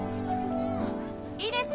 いいですか？